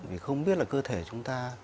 vì không biết là cơ thể chúng ta